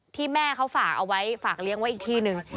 แม่เขาฝากเอาไว้ฝากเลี้ยงไว้อีกที่หนึ่ง